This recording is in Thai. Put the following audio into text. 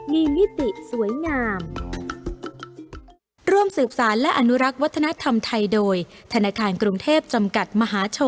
มีมิติสวยงาม